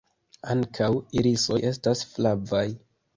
Ankaŭ irisoj estas flavaj.